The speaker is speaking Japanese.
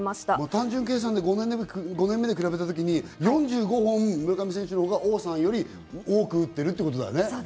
単純計算で５年目で比べたときに４５本、村上選手のほうが王さんより多く打ってるんだね。